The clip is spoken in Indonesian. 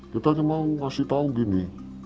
kita hanya mau ngasih tau gini